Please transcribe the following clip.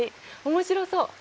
面白そう！